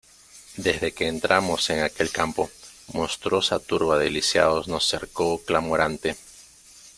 desde que entramos en aquel campo, monstruosa turba de lisiados nos cercó clamorante: